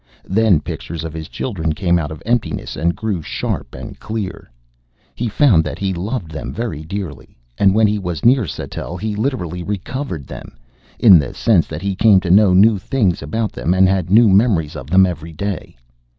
Then pictures of his children came out of emptiness and grew sharp and clear. He found that he loved them very dearly. And when he was near Sattell he literally recovered them in the sense that he came to know new things about them and had new memories of them every day.